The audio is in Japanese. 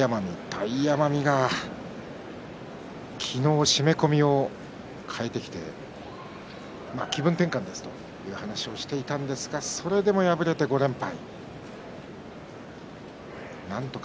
大奄美は昨日、締め込みを替えてきてまあ気分転換ですという話をしていたんですがそれでも敗れて５連敗。